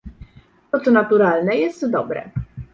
to, co naturalne jest dobre